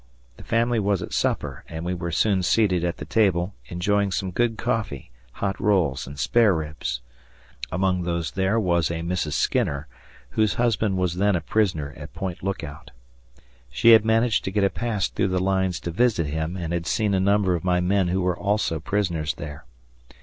The family was at supper, and we were soon seated at the table enjoying some good coffee, hot rolls, and spareribs. Among those there was a Mrs. Skinner, whose husband was then a prisoner at Point Lookout. She had managed to get a pass through the lines to visit him and had seen a number of my men who were also prisoners there.